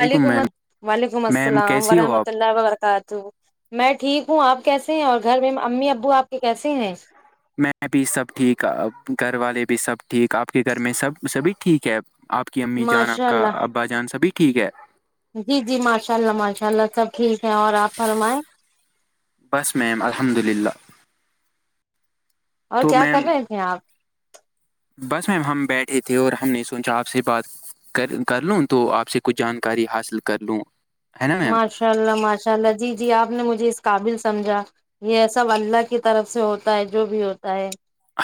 وعلیکم ال وعلیکم میم السلام کیسی ہو ورحمۃ آپ اللہ وبرکاتہ میں ٹھیک ہوں آپ کیسے ہیں اور گھر میں امی ابو آپ کے کیسے ہیں میں بھی سب ٹھیک گھر والے بھی سب ٹھیک آپ کے گھر میں سب سبھی ٹھیک ہے آپ کی امی جان آپ ماشاء کا اللہ ابا جان سبھی ٹھیک ہے جی جی ماشاء اللہ ماشاء اللہ سب ٹھیک ہے اور آپ فرمائیں بس میم الحمد للہ اور تو کیا کر میم رہے تھے آپ بس میم ہم بیٹھے تھے اور ہم نے سوچا آپ سے بات کر کر لوں تو آپ سے کچھ جانکاری حاصل کر لوں ہے نا میم ماشاء اللہ ماشاء اللہ جی جی آپ نے مجھے اس قابل سمجھا یہ سب اللہ کی طرف سے ہوتا ہے جو بھی ہوتا ہے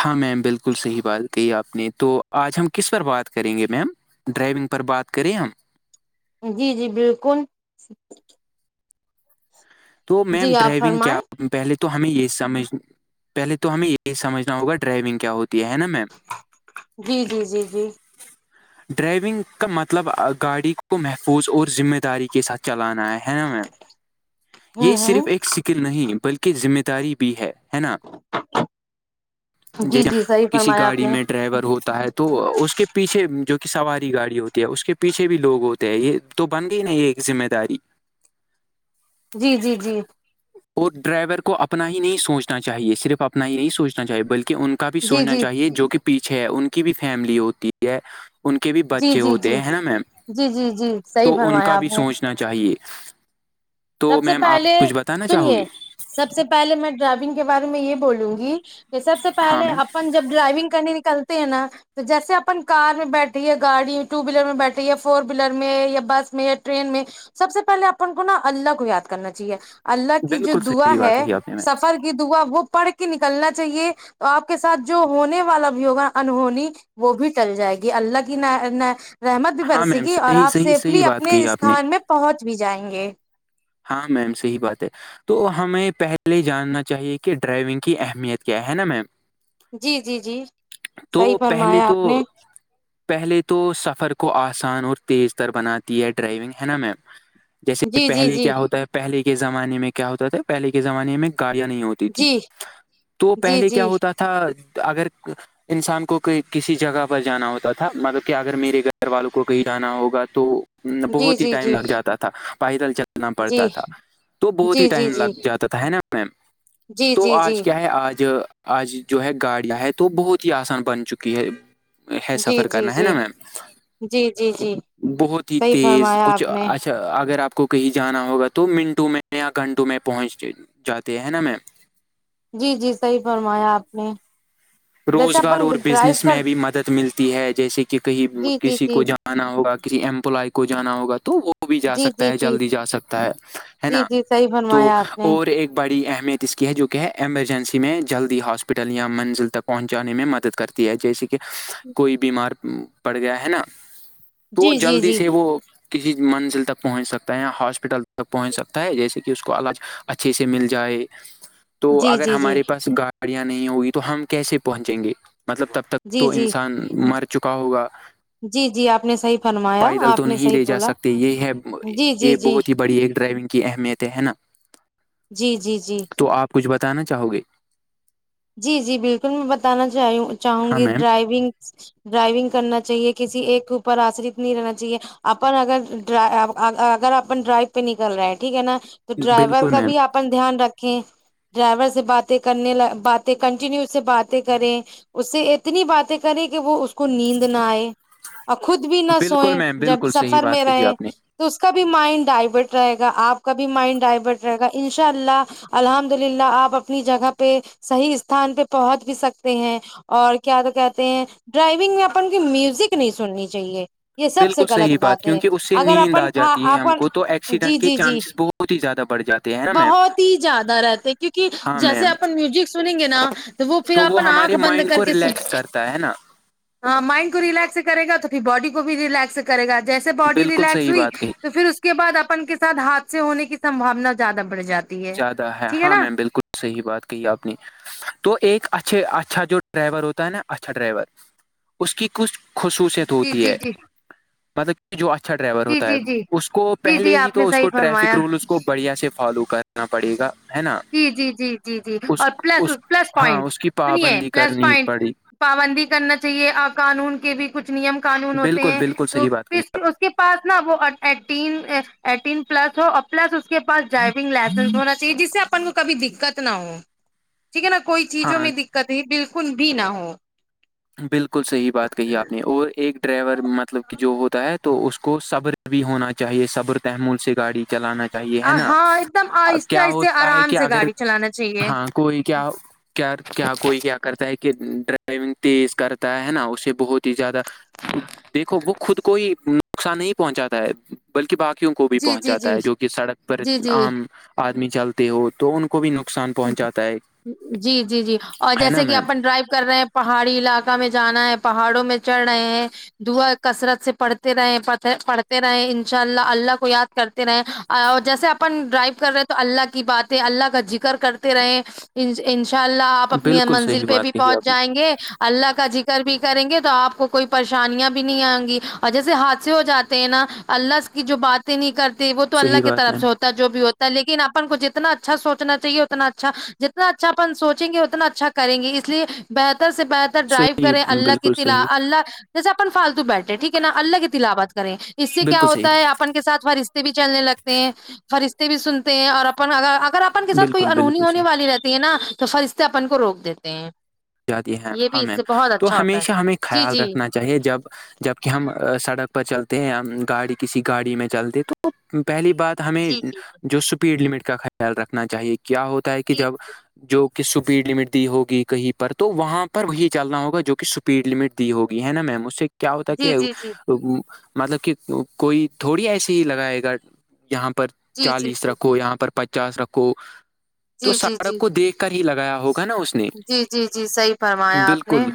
ہاں میم بالکل صحیح بات کہی آپ نے تو آج ہم کس پرار بات کریں گے میم ڈرائیونگ پر بات کریں ہم جی جی بالکل تو میم جی آپ ڈرائیونگ کیا فرمائیں پہلے تو ہمیں یہ سمجھ پہلے تو ہمیں یہ سمجھنا ہوگا ڈرائیونگ کیا ہوتی کیا ہے نا میں جی جی جی جی ڈرائیونگ کا مطلب گاڑی کو محفوظ اور ذمہ داری کے ساتھ چلانا ہے نا میم [inaudible] یہ صرف ایک سکل نہیں بلکہ ذمہ داری بھی ہے ہے نا جی ج جی صحیح کسی فرمایا آپ گاڑی نے میں ڈرائیور ہوتا ہے تو اس کے پیچھے جو کہ سواری گاڑی ہوتی ہے اس کے پیچھے بھی لوگ ہوتے یہ تو بن گئی ہی نا یہ ایک ذمہ داری جی جی جی اور ڈرائیور کو اپنا ہی نہیں سوچنا چاہیے صرف اپنا ہی نہیں سوچنا چاہیے بلکہ ان کا بھی جی سوچنا جی چاہیے جو کہ پیچھے ہے ان کی بھی فیملی ہوتی ہے ان کے بھی جی بچے جی ہوتے جی ہیں ہے نا میم جی جی جی صحیح تو ان کا فرمایا آپ بھی نے سوچنا چاہیے سب تو سے میم آپ پہلے کچھ بتانا چاہو گی سنیے سب سے پہلے میں ڈرائیونگ کے بارے میں یہ بولوں گی کہ سب سے ہاں پہلے میم اب پن جب ڈرائائیوونگ کرنے نکلتے ہیں نا تو جیسے اپن کار میں بیٹھے یا گاڑی ٹو ویلر میں بیٹھے یا فور ویلر میں یا بس میں یا ٹرین میں سب سے پہلے اپن کو نا اللہ کو یاد کرنا چاہیے اللہ کی جو بالکل دعا صحیح بات ہے کہی آپ نے میم سب سے فر کی دا وہ پڑھ کے نکلنا چاہیے تو آپ کے ساتھ جو ہونے والا بھی ہوگا انہونی وہ بھی چل جائے گی اللہ کی ن رحمت بھی ہاں برسے میم گی اور صحیح آپ صحیح صحیح سیفلی بات اپنے کہی آپ نے استھان میں پہنچ بھی جائیں گے ہاں میم صحیح بات ہے تو ہمیں پہلے جاننا چاہیے کہ ڈرائیونگ کی اہمیت کیا ہے نا میم جی جی جی تو صحیح پہلے فرمایا تو آپ نے پہلے تو سفر کو آسان اور تیز تر بناتی ہے ڈرائیونگ ہے نا میم جیسے جی جی پہلے جی کیا ہوتا ہے پہلے کے زمانے میں کیا ہوتا تھا پہلے کے زمانے میں گاڑیاں نہیں ہوتی تھی جی تو جی پہلے کیا جی ہوتا تھا اگر انسان کو کہ کسی جگہ پر جانا ہوتا تھا مطلب کہ اگر میرے گھر والوں کو کہیں جانا ہوگا تو جی بہت ہی جی ٹائم جی لگ جاتا تھا پائیدل چل نا پڑتا جی تھا تو بہت ہی جی جی جی ٹائم لگ جاتا تھا نا میم جی جی تو جی آج کیا ہے آج آج جو ہے گاڑیاں ہے تو بہت ہی آسان بن چکی ہے ہے جی سفر جی کرنا ہے نا جی م جی جی جی بہت ہی صحیح تیز فرمایا کچھ آپ نے اچھا اگر آپ کو کہیں جانا ہوگا تو منٹوں میں یا گھنٹوں میں پہنچ جاتے ہیں ہے نا میم جی جی صحیح فرمایا آپ نے جیسے روزگار اپن اور ڈرائیو بزنس کر میں بھی مدد ملتی ہے جیسے کہ کہیں جی جی کسی کو جی جان آنا ہوگا کسی امپلائی کو جانا ہوگا تو وہ وہ بھی جا جی سکتا جی ہے جی جلدی جا سکتا ہے ہے جی نا جی صحیح تو فرمایا آپ نے اور ایک بڑی اہمیت اس کی ہے جو کہ ہے ایمرجنسی میں جلدی ہاسپٹل یا منزل تک پہنچانے میں مدد کرتی ہے جیسے کہ کوئی بیمار پڑ گیا ہے نا تو جی جی جلدی جی سے وہ کسی منزل تک پہنچ سکتا ہے ہاسپٹل تک پہنچ سکتا ہے جیسے کہ اس کو علاج اچھے سے مل جائے تو جی اگر جی جی ہمارے پاس گاڑیاں نہیں ہوگی تو ہم کیسے پہنچیں گے مطلب تب تک جی تو جی انسان مر چکا ہوگا جی جی آپ نے صحیح فرمایا پائیدل تو آپ نے نہیں صحیح لے جا بولا سکتے یہ ہے جی جی یہ جی بہت ہی بڑی ایک ڈرائیونگ کی اہمیتیں ہے نا جی جی جی تو آپ کچھ بتانا چاہو گے جی جی بالکل میں بتانا چاہ چاہوں ہاں گی میم ڈرائیونگ ڈرائیونگ کرنا چاہیے کسی ایک اوپر آشرت نہیں رہنا چاہیے اپن اگر اگر اپن ڈرائیو پہ نکل رہا ہے ٹھیک ہے نا تو ڈرائیور بالکل کا میم بھی اپپن دھیان رکھیں ڈرائیور سے باتیں کرنے ل بات تو کنٹینیو سے سے باتیں کریں اس سے اتنی باتیں کریں کہ وہ اس کو نیند نہ آئے اور خود بھی نہ بالکل سوئیں میم جب بالکل صحیح سفر بات میں کہی رہیں آپ نے تو اس کا بھی مائنڈ ڈائورٹ رہے گا آپ کا بھی مائنڈ ڈائیورٹ رہے گا ان شاء اللہ الحمد للہ آپ اپنی جگہ پہ صحیح استھان پہ پہنچ بھی سکتے ہیں اور کیا تو کہتے ہیں ڈرائیونگ میں اپ کی میوزک نہیں سننی چاہیے یہ سب سے بالکل غلط صحیح بات ہے کیونکہ اس سے اگر نیند آ اپن کا جاتی ہے ہم اپن کو تو جی ایکسیڈنٹ کے جی جی چانسز بہت ہی زیادہ بڑھ جاتے ہیں نا میم بہت ہی زیادہ رہتے کیونکہ ہاں جیسے میم اپن میوزک سن سنیں گے نا تو وہ پھر اپن آنکھ ہمارے بند مائنڈ کر کو کے سن ریلیکس [unintelligible] کرتا ہے نا ہاں مائنڈ کو ریلیکس سے کر گا تو پھر باڈی کو بھی ریلیکس کرے گا جیسے باڈی بالکل ریلیکس صحیح ہوئی بات کہی تو پھر اس کے اس کے بعد اپن کے سھ حادث ہونے کی سبھانا زیادہ بڑھ جاتی ہے زیادہ ہے ٹھیک ہاں نا میں بالکل صحیح بات کہ آپ نے تو ایک اچھے اچھا جو ڈرائیور ہوتا ہے نا اچھا ڈرائیور اس کی کچھ خصوصیت جی ہوتی جی ہے جی پت [unintelligible] اور یہ جو اچھا ڈرائیور جی ہوتا ہے جی جی اس کو جی جی پہلے ہی آپ نے تو اس صحیح کو ٹریفک فرمایا رول اس کو بڑھیا سے نہ پڑے گا [unintelligible] جی جی جی جی جی اس اور پلس اس پلس ہاں پوائنٹ اس کی سنیے پابندی پلس کرنی پوائنٹ پڑی پابندی کرنا چاہیے قانون کے بھی کچھ نیم قانون ہوتے بالکل ہیں بالکل تو صحیح بات کہی اس کے پاس نا وہ ایٹین ایٹین پلس ہو اور پلس اس کے پاس جائ لن ہو چاہے جس سے کو کبھی دقت نہ ہو ٹھیک ہے نا کوئی چیز ہو ہاں کبھی بالکل بھی نہ ہو [unintelligible] بالکل صحیح بات کہی آپ نے اور ایک ڈرائیور مطلب کہ جو ہوتا ہے تو اس کو صبر بھی ہونا چاہیے صبر تحمل سے گاڑی چلانا چاہیے ہے نا ہاں ایک دم آہستہ کیا آہستہ ہوتا ہے آرام کہ سے اگر گاڑی چلانا چاہیے ہاں کوئی کیا کیا کیا کوئی کیا کرتا ہے کہ ڈرائیونگ تیز کرتا ہے نا اسے بہت ہی زیادہ دیکھو وہ خود کوئی نقصان نہیں پہنچاتا ہے بلکہ باقیوں کو بھی جی پہنچ جی جاتا جی ہے جو کہ سڑک پر جی جی عام آدمی چلتے ہو تو ان کو بھی نقصان پہنچاتا ہے جی جی جی اور ہے نا جیسے کہ میم اپن ڈرائیو کر رہے ہیں پہاڑی علاقہ میں جانا ہے پہاڑوں میں چڑھ رہے ہیں دعا کثرت سے پڑھتے رہے پڑھتے رہے ان شاء اللہ اللہ کو یاد کرتے رہے جیسے اپن ڈرائیو کر رہے ہیں تو اللہ کی بات ہے اللہ کا جی کرتے رہے انشاء اللہ آپ اپنی بالکل منزل صحیح پہ بات بھی کہی پہنچ آپ نے جائیں گے اللہ کا ذکر بھی کریں گے تو آپ کو کوئی پریشانیاں بھی نہیں آئیں گی اور جیسے حادثے ہو جاتے ہیں نا اللہ کی جو باتیں نہیں کرتے وہ تو صحیح اللہ کی بات طرف میم سے ہوتا ہے جو بھی ہوتا ہے لیکن اپن کو جتنا اچھا سوچ نا چاہیے اتنا اچھا جتنا اچھا اپن سوچیں گے اتنا اچھا کریں گے اس لیے بہتر سے بہتر ڈرائیو صحیح کریں اللہ کی بالکل تلا صحیح اللہ جیسے اپن فالتو بیٹھے ٹھیک ہے نا اللہ کی تلاحبات کریں اس سے کیا بالکل صحیح ہوتا ہے آپ اپن کے ساتھ فرشتے بھی چلنے لگتے ہیں فرشتے بھی سنتے ہیں اور اپن ا اگر اپن کے ساتھ کوئی بالکل انہونی بالکل صحیح ہونے والی رہتی ہے نا تو فرستے اپن کو روک دیتے ہیں جاتی ہیں یہ ہاں بھی اس میم سے بہت تو اچھا ہوتا ہے ہمیشہ ہمیں جی خیال جی رکھنا چاہیے جب جبک ہم سڑک پر چلتے ہیں گاڑی کسی گاڑی میں چلتے تو پہلی بات ہمیں جی جی جو سپیڈ لمٹ کا خیال رکھنا چاہیے کیا ہوتا ہے کہ جی جب جو کہ سپیڈ لمٹ دی ہوگی کہیں تو وہاں پر یہ چلنا ہوگا جو کہ سپیڈ لمٹ دی ہوگی ہے نا میم اس سے کیا ہوتا جی کہ جی جی مطلب کہ کوئی تھوڑی ایسی ہی لگائے گا یہاں پر جی جی چالیس جی رکھو یہاں پر چاس رکھو تو جی جی سڑک کو جی دیکھ کر ہی لگایا ہوگا نا اس نے جی جی جی صحیح فرمایا آپ نے بالکل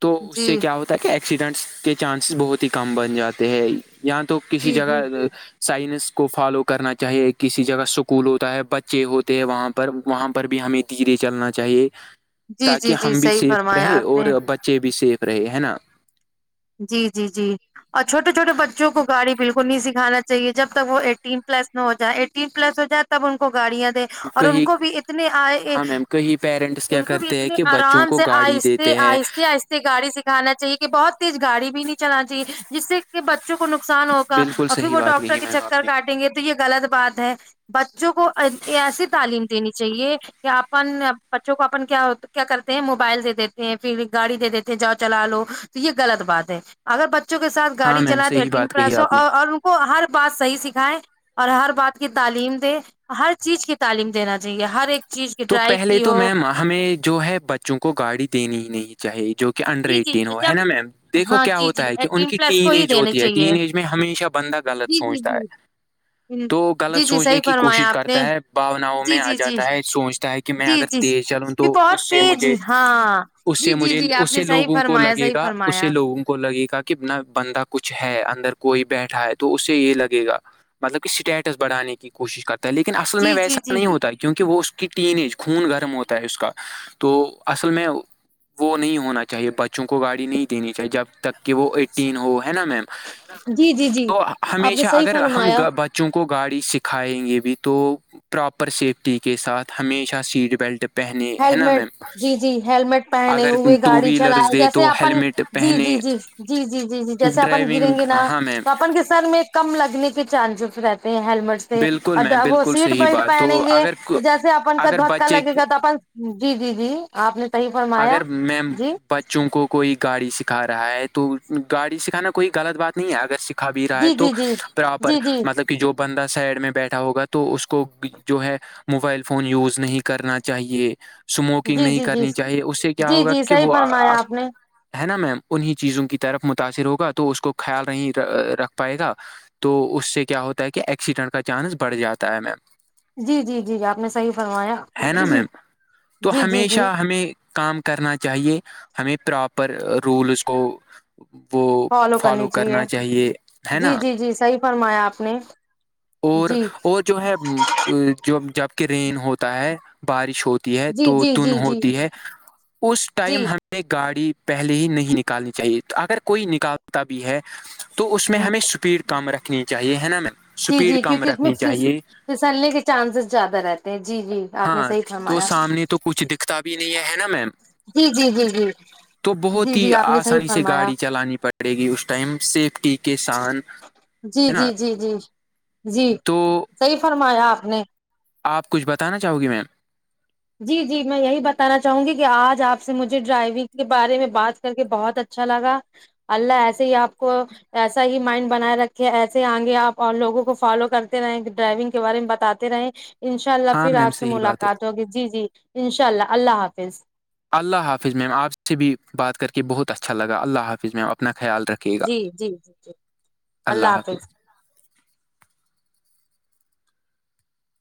تو اس جی سے کیا ہو ت کہ ایکسیڈنٹس کے چانسز بہت ہی کم بن جاتے ہیں یا تو کسی جی جگہ جی جی سائنس کو فالو کرنا چاہیے کسی جگہ اسکول ہوتا ہے بچے ہوتے ہیں وہاں پر وہاں پر بھی ہمیں دھیرے چلنا چاہیے جی تاکہ جی جی ہم بھی صحیح سیف فرمایا رہے آپ نے اور بچے بھی سیف رہے ہے نا جی جی جی اورھوٹے چھٹے بچوں کو گاڑی بالکل نہیں سکھانا چاہے جب تک وہ ایٹین پلس نہ ہو جائے ایٹین پلس ہو جائے تو تب ان کو گاڑیاں د اور ان کہیں کو بھی اتنے آئے ہاں میم کہیں پیرنٹس کیا ان کو بھی کرتے ہیں اتنے کہ بچوں آرام کو سے آئے گاڑی دیتے ہیں آہستتے آہستتے گاڑی سکھانا چاہیے کہ بہت تیز گاڑی بھی نہیں چلانا چاہیے جس سے کہ بچوں کو نقصان ہوگا بالکل اور پھر صحیح وہ بات ڈاکٹر کہی کے میم چکر آپ نے کاٹیں گے تو یہ غلط بات ہے بچوں کو ایسی تعلیم دینی چاہیے کیا اپن بچوں کو اپن کیا کیا کرتے ہیں موبائل دے دیتے ہیں پھر گاڑی دے دیتے جاؤ چلا لو تو یہ غلط بات ہے اگر بچوں کے ساتھ ہاں گاڑی میم چلائے تو صحیح ایٹین بات کہی پلاس ہو آپ نے اور ان کو ہر بات صحیح سکھائے اور ہر بات کی تعلیم دے ہر چیز کی تعلیم دینا چاہیے ہر ایک چیز کی تو ٹرائی پہلے کی تو ہو میم ہمیں جو ہے بچوں کو گاڑی دینی ہی نہیں تھی چاہیے جو کہ انڈر جی جی ایٹین ہو ہے جب نا میم دیکھو ہاں کیا جی جی ہوتا ہے کہ ان ایٹین کی پلس کو ین ہی ایج دینے ہوتی ہے چاہیے ین ایج میں ہمیشہ بند غلط جی جی سوچتا ہے جی تو غلط جی جی صحیح سوچنے کی کوشش فرمایا آپ نے کرتا ہے باناؤں میں جی آ جی جی جاتا ہے سوچ ہے کہ میں جی اگر جی تیز چلوں یہ تو اس بہت سے تیز مجھے ہاں اس سے جی جی مجھے اس جی آپ اس نے سے صحیح لوگوں کو فرمایا لگے صحیح گا اسے فرمایا لوگوں کو لگے گا کہ نہ بندہ کچھ ہے اندر کوئی بیٹھا ہے تو اس سے یہ لگے گا مطلب کہ اسٹیٹس بڑھانے کی کوشش کرتا ہے لیکن اصل میں جی جی ویسا جی نہیں ہوتا ہے کیونکہ وہ اس کہ ین ایج خون گرم ہوتا ہے اس کا تو اصل میں وہ نہیں ہونا چاہیے بچوں کو گاڑی نہیں دینی چاہیے جب تک کہ وہ ایٹین ہو ہے نا میم جی جی جی تو آپ نے ہمیشہ صحیح اگر ہم فرمایا بچ بچوں کو گاڑی سکھائیں گے بھی تو پراپر سیفٹی کے ساتھ ہمیشہ سیٹ بیلٹ پہنے ہے نا میم ہیللمٹ جی جی ہیللمٹ پہنے اگر ہوئے ٹو گاڑی ویلرز چلائے دے جیسے تو اپن ہیلمٹ جی جی پہنے جی جی جی جی جی جیسے اپن گریں ڈرائیونگ گے نا ہاں میم تو اپن کے سر میں کم لگنے کے چانسز رہتے ہیں ہیللمٹ بالکل اور میم وہ بالکل سیٹ صحیح بیلٹ بات پہنیں تو گے اگر تو جیسے اپن کا اگر دھککا بچے لگے گا تو اپن جی جی جی آپ نے صحیح فرمایا اگر میم جی بچوں کو کوئی گاڑی سکھا رہا ہے تو گاڑی سکھانا کوئی غلط بات نہیں ہے اگر کھا بھی رہا ہے جی تو جی جی پراپر جی جی مطلب کہ جو بندہ سائڈ میں بیٹھا ہوگا تو اس کو جو ہے موبائل فون یوز نہیں کرنا چاہیے اسموکنگ جی نہیں جی جی کرنی چاہیے اس سے کیا جی ہوگا جی کہ صحیح فرمایا آپ نے وہپ ہے نا میم انہیں چیزوں کی طرف متاثر ہوگا تو اس کو خیال نہیں رکھ پائے گا تو اس سے کیا ہوتا ہے کہ ایکسیڈنٹ کا چانس بڑھ جاتا ہے میم جی جی جی جی آپ نے صحیح فرمایا ہے نا میم تو جی جی جی ہمیشہ ہمیں کام کرنا چاہیے ہمیں پراپر رولس کو وہ فالو کرنا چاہیے ہے جی نا جی جی صحیح فرمایا آپ نے اور جی اور جو ہے جبک رین ہوتا ہے بارش ہوتی ہے جی تو جی جی دن جی ہوتی ہے اس ٹائم جی ہمیں اپ گاڑی پہلے ہی نہیں نکالنی چاہیے اگر کوئی نکالتا بھی ہے تو اس میں ہمیں اسپیڈ کم رکھنی چاہیے ہے نا میم جی اسپیڈ جی کم کیونکہ اس میں رکھنی فس چاہیے پھسلنے کے چانسز زیادہ رہتے ہیں جی جی آپ نے ہاں صحیح تو فرمایا سامنے تو کچھ دکھتا بھی نہیں ہے ہے نا میم جی جی جی جی تو بہت جی ہی جی آپ نے صحیح آسانی سے فرمایا گاڑی چلانی پڑی پڑے گی اس ٹائم سیفٹی کے سان جی ہے نا جی جی جی جی تو صحیح فرمایا آپ نے آپ کچھ بتانا چاہو گی میم جی جی میں یہی بتانا چاہوں گی کہ آج آپ سے مجھے ڈرائیونگ کے بارے میں بات کر کے بہت اچھا لگا اللہ ایسے ہی آپ کو ایسا ہی مائنڈ بنائے رکھے ایسے آئ گے آپ اور لوگوں کو فالو کرتے رہ ڈرائیونگ کے بارے میں بتاتے رہے ان شاء اللہ ہاں پھر میم آپ سے صحیح بات ہے ملاقات ہوگی جی جی ان شاء اللہ اللہ حافظ اللہ حافظ میم آپ سے بھی بات کر کے بہت اچھا لگا اللہ حافظ میم اپنا خیال رکھ جی جی جی جی اللہ حافظ